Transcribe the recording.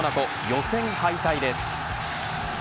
予選敗退です。